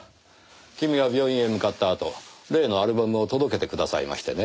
君が病院へ向かったあと例のアルバムを届けてくださいましてね。